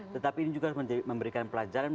tetapi ini juga harus memberikan pelajaran